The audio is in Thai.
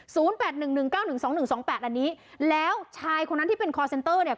แปดหนึ่งหนึ่งเก้าหนึ่งสองหนึ่งสองแปดอันนี้แล้วชายคนนั้นที่เป็นคอร์เซ็นเตอร์เนี่ย